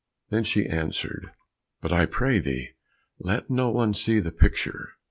Then she answered, "But, I pray thee, let no one see the picture."